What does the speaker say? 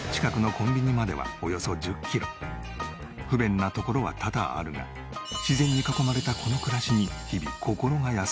近くの不便なところは多々あるが自然に囲まれたこの暮らしに日々心が安らぐという。